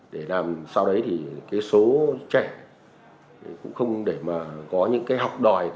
để làm sao đấy thì cái số trẻ cũng không để mà có những cái học đòi